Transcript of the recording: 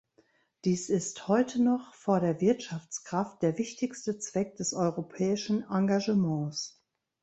Dies ist heute, noch vor der Wirtschaftskraft, der wichtigste Zweck des europäischen Engagements.